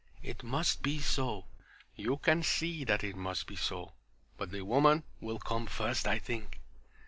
It must be so. You can see that it must be so. But the woman will come first, I think."